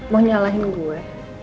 mau nyalahin gue